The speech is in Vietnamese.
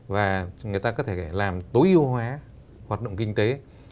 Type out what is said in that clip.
và chúng ta có thể làm tối ưu hóa hoạt động kinh tế